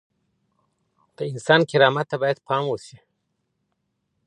د انسان کرامت ته بايد پام وسي.